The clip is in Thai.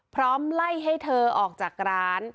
พร้อมไล่ให้เธอออกจากร้าน